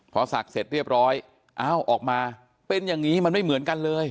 พอศักดิ์เสร็จเรียบร้อยอ้าวออกมาเป็นอย่างนี้มันไม่เหมือนกันเลย